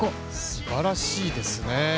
すばらしいですね。